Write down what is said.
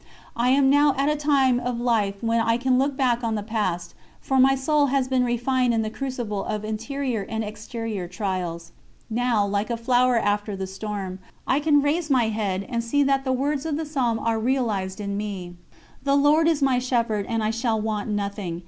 I am now at a time of life when I can look back on the past, for my soul has been refined in the crucible of interior and exterior trials. Now, like a flower after the storm, I can raise my head and see that the words of the Psalm are realised in me: "The Lord is my Shepherd and I shall want nothing.